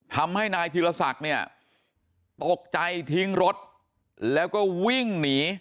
ทำให้นายธิรษัทตกใจทิ้งรถแล้วก็วิ่งหนี